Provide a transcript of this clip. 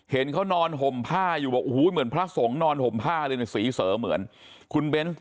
เห็นเขานอนห่มผ้าอยู่ว่าวู้เหมือนพระสงศ์นอนห่มผ้าในสีเสาเหมือนคุณเบ้นตัดผม